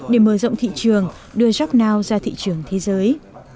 để mở rộng thị trường đưa jobnow ra thị trường thế giới